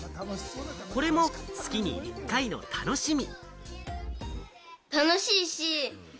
これも月に１回の楽しみ。